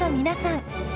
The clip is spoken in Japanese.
皆さん。